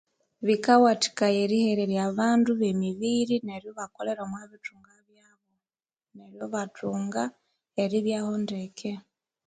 Bikawathikaya erihererya abandu bemibiri neryo ibakolera omwa bithunga byabo neryo ibathunga eribyaho ndeke.